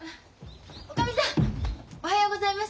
おかみさんおはようございます。